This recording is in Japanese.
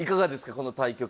この対局は？